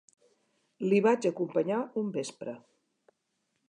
L'hi vaig acompanyar un vespre